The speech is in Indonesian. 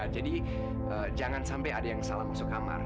jadi jangan sampai ada yang salah masuk kamar